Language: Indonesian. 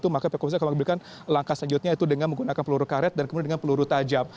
maka kalau diberikan langkah selanjutnya itu dengan menggunakan peluru karet dan kemudian dengan peluru tajam